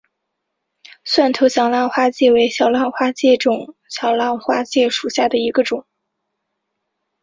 葱头小浪花介为小浪花介科小浪花介属下的一个种。